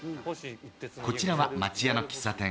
こちらは町屋の喫茶店。